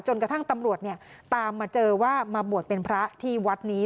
กระทั่งตำรวจเนี่ยตามมาเจอว่ามาบวชเป็นพระที่วัดนี้